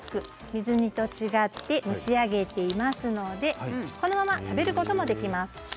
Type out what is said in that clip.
水煮と違って蒸し上げていますのでこのまま食べることもできます。